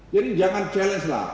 jadi jangan challenge lah